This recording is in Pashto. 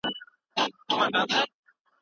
خپله ژبه او بیان پخپله سم کړه.